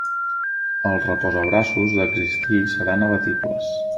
Els reposabraços d'existir seran abatibles.